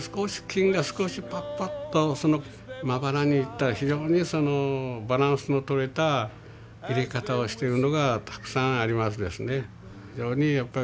金が少しパッパッとそのまばらにいった非常にバランスのとれた入れ方をしてるのがたくさんありますですね。